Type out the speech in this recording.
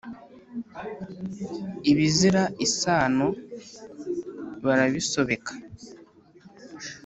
Ibizira isano bara bisobeka